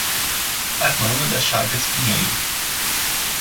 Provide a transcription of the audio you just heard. Armando Das Chagas Pinheiro